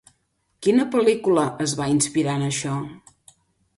Quina pel·lícula es va inspirar en això?